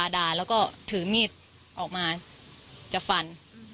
ด่าแล้วก็ถือมีดออกมาจะฟัน